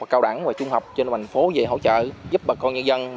cao đẳng và trung học trên đoàn phố về hỗ trợ giúp bà con nhân dân